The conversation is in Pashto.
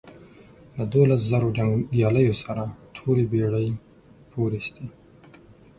له دوولس زرو جنګیالیو سره ټولې بېړۍ پورېستې.